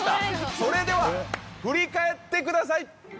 それでは振り返ってください！